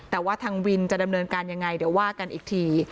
แต่ว่าทางวินจะดำเนินการยังไงเดี๋ยวว่ากันอีกที